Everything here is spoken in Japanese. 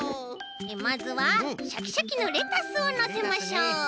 まずはシャキシャキのレタスをのせましょう！